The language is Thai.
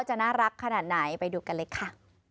จะน่ารักขนาดไหนไปดูกันเลยค่ะ